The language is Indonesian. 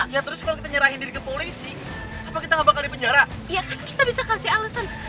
iya kan kita bisa kasih alesan